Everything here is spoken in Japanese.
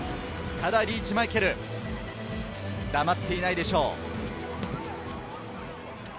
ただリーチ・マイケル、黙っていないでしょう。